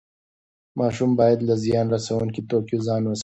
ماشوم باید له زیان رسوونکي توکیو ځان وساتي.